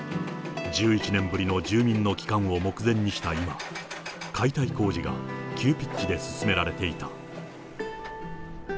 １１年ぶりの住民の帰還を目前にした今、解体工事が急ピッチで進められていた。